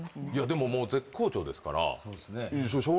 でももう絶好調ですから。